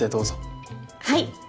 はい！